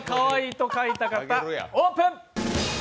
さあ、書いた方、オープン！